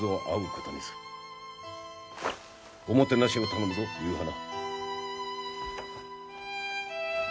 おもてなしを頼むぞ夕花。